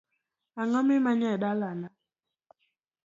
Ang'o mimanyo e dalana?